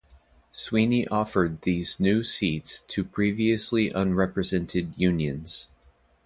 Sweeney offered these new seats to previously unrepresented unions.